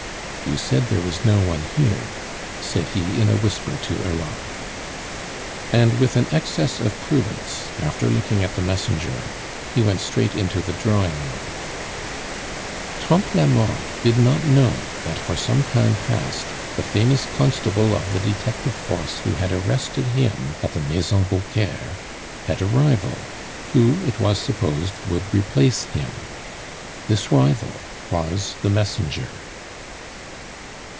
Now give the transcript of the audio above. "You said there was no one here," said he in a whisper to Europe. And with an excess of prudence, after looking at the messenger, he went straight into the drawing room. Trompe la Mort did not know that for some time past the famous constable of the detective force who had arrested him at the Maison Vauquer had a rival, who, it was supposed, would replace him. This rival was the messenger.